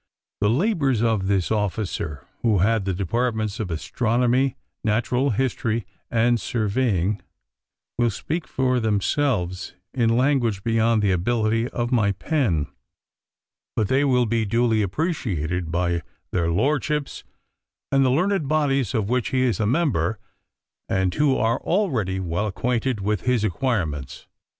The labors of this officer, who had the departments of astronomy, natural history and surveying, will speak for themselves in language beyond the ability of my pen; but they will be duly appreciated by their lordships and the learned bodies of which he is a member, and who are already well acquainted with his acquirements.